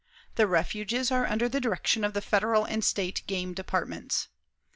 The refuges are under the direction of the Federal and the State game departments.